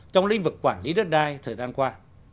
trong lĩnh vực quản lý đất đai thời gian qua